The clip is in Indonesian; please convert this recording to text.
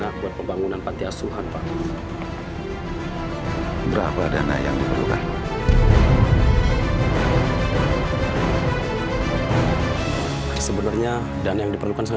amin ya rabbul'allah